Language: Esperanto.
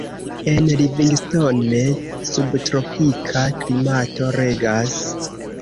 En Livingstone subtropika klimato regas.